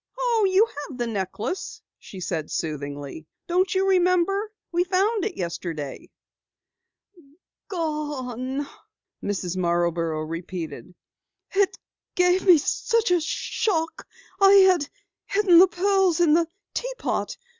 "Oh, you have the necklace," she said soothingly. "Don't you remember? We found it yesterday." "Gone " Mrs. Marborough repeated. "It gave me such a shock I had hidden the pearls in the teapot.